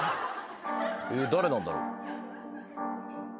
誰なんだろう？えっ？